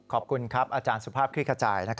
ขอบคุณครับอาจารย์สุภาพคลิกขจาย